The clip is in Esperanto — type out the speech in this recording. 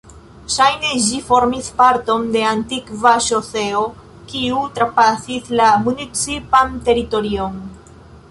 Ŝajne ĝi formis parton de antikva ŝoseo kiu trapasis la municipan teritorion.